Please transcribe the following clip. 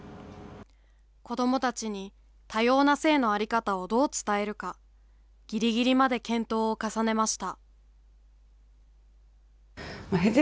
子どもたちに多様な性の在り方をどう伝えるか、ぎりぎりまで検討を重ねました。